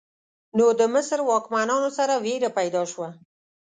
نو د مصر واکمنانو سره ویره پیدا شوه.